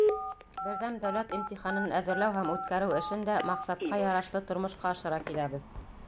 Берҙәм дәүләт имтиханын әҙерләү һәм үткәреү эшен дә маҡсатҡа ярашлы тормошҡа ашыра киләбеҙ.